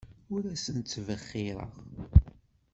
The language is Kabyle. Ur asen-ttbexxireɣ.